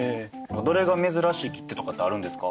どれが珍しい切手とかってあるんですか？